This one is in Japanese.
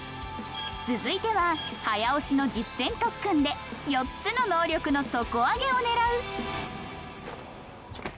続いては早押しの実戦特訓で４つの能力の底上げを狙う